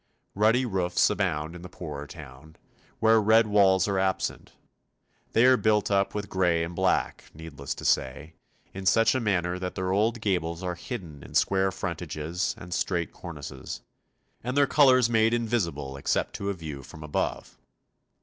Ruddy roofs abound in the poorer town, where red walls are absent; they are built up with grey and black, needless to say, in such a manner that their old gables are hidden in square frontages and straight cornices, and their colours made invisible except to a view from above.